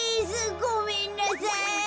ごめんなさい。